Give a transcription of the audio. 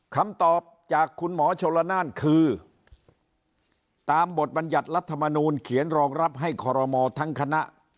คำตอบจากคุณหมอชนละนานคือตามบทบรรยัติรัฐมนูลเขียนรองรับให้คอรมอทั้งคณะ